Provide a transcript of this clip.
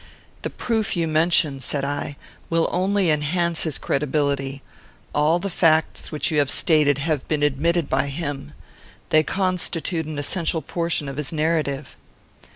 "The proof you mention," said I, "will only enhance his credibility. All the facts which you have stated have been admitted by him. They constitute an essential portion of his narrative."